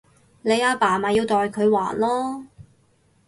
你阿爸咪要代佢還囉